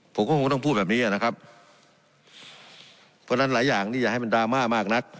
ผมก็คงต้องพูดแบบนี้นะครับเพราะฉะนั้นหลายอย่างนี่อย่าให้มันดราม่ามากนัก